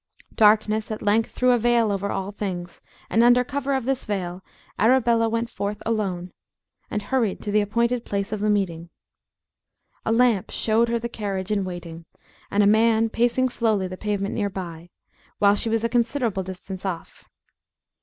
Darkness at length threw a veil over all things, and under cover of this veil Arabella went forth alone, and hurried to the appointed place of meeting. A lamp showed her the carriage in waiting, and a man pacing slowly the pavement near by, while she was a considerable distance off.